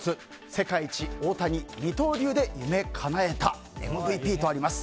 世界一大谷、二刀流でかなえたＭＶＰとあります。